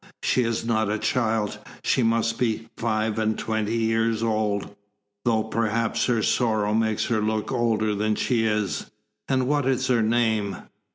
"She is not a child, she must be five and twenty years old, though perhaps her sorrow makes her look older than she is." "And what is her name?"